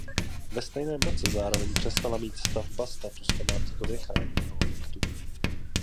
Ve stejném roce zároveň přestala mít stavba status památkově chráněného objektu.